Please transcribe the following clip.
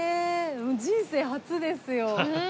人生初ですよ。